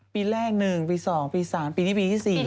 ปีแรก๑ปี๒ปี๓ปีนี้ปีที่๔